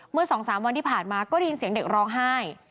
เมื่อ๒๓วันที่ผ่านมาก็ได้ยินเสียงเด็กร้องไห้